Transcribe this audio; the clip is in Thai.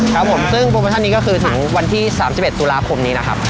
ครับผมซึ่งโปรโมชั่นนี้ก็คือถึงวันที่๓๑ตุลาคมนี้นะครับ